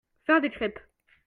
Faire des crèpes.